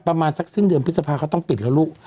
ประมาณสักสิ้นเดือนพฤษภาเขาต้องปิดแล้วลูก